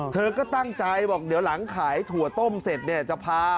เธอก็ตั้งใจว่าเดี๋ยวหลังขายถั่วต้มเสร็จ